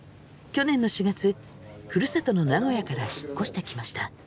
去年の４月ふるさとの名古屋から引っ越してきました。